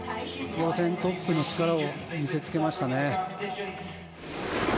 予選トップの力を見せつけましたね。